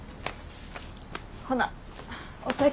ほなお先。